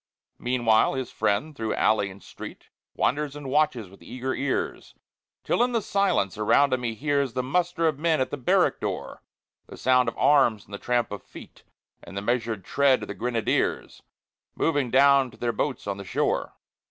Meanwhile, his friend, through alley and street, Wanders and watches with eager ears, Till in the silence around him he hears The muster of men at the barrack door, The sound of arms, and the tramp of feet, And the measured tread of the grenadiers, Marching down to their boats on the shore.